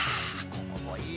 ここもいい。